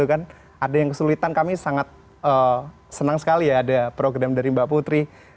ada yang kesulitan kami sangat senang sekali ya ada program dari mbak putri